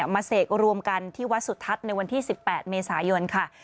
เสกรวมกันที่วัดสุทัศน์ในวันที่๑๘เมษายนค่ะ